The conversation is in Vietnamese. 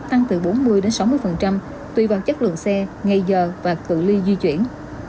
tăng từ bốn mươi sáu mươi tùy vào chất lượng xe ngày giờ và tự ly di chuyển